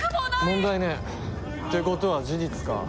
問題ねえ。ってことは事実か。